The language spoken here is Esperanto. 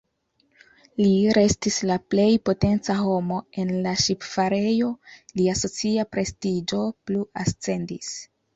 Li restis la plej potenca homo en la ŝipfarejo, lia socia prestiĝo plu ascendis.